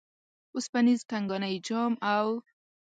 وسپنیز ټنګانی جام او